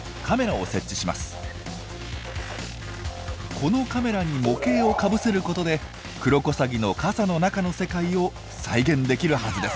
このカメラに模型をかぶせることでクロコサギの傘の中の世界を再現できるはずです。